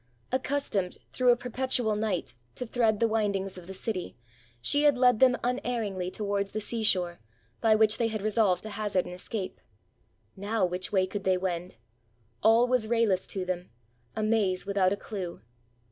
Accustomed, through a perpetual night, to thread the windings of the city, she had led them unerringly towards the seashore, by which they had resolved to hazard an escape. Now, which way could they wend? all was rayless to them — a maze without a clue.